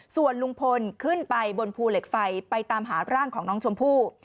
ส่วนลุงพลขึ้นไปบนภูเหล็กไฟไปตามหาร่างของน้องชมพู่